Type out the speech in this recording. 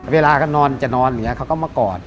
เวลานอนจะนอนเขาก็มากอด